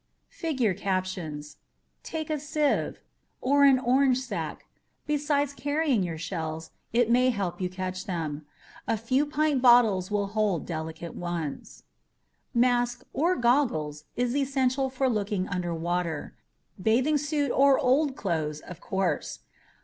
[figure captions] Take a SIEVE. Or an orange sack. Besides carrying your shells, it may help you catch them. A few pint BOTTLES will hold delicate ones. MASK (or goggles) is essential for looking underwater. Bathing suit or old clothes, of course.